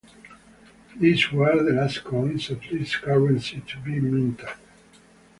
These were the last coins of this currency to be minted.